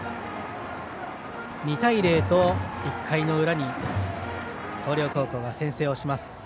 ２対０と１回の裏に広陵高校が先制します。